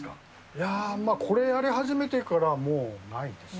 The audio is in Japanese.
いや、これやり始めてからもうないですね。